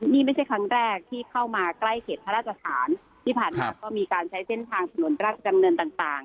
นี่ไม่ใช่ครั้งแรกที่เข้ามาใกล้เขตพระราชฐานที่ผ่านมาก็มีการใช้เส้นทางถนนราชดำเนินต่าง